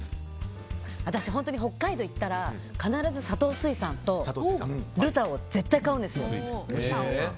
私、本当に北海道に行ったら必ず佐藤水産とルタオは絶対買うんですよ。